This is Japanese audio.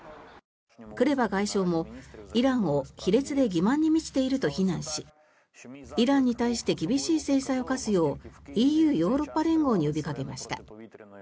クレバ外相もイランを卑劣で欺まんに満ちていると非難しイランに対して厳しい制裁を科すようＥＵ・ヨーロッパ連合に呼びかけました。